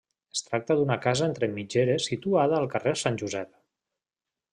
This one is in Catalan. Es tracta d'una casa entre mitgeres situada al carrer Sant Josep.